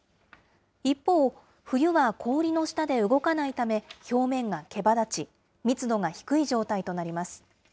一方、冬は氷の下で動かないため、表面がけばだち、密度が低い状態となります。